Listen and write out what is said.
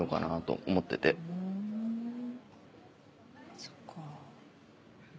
そっか。